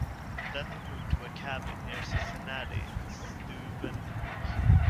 Then he moved to a cabin near Cincinnati and Steuben Creek.